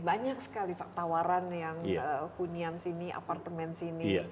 banyak sekali tawaran yang hunian sini apartemen sini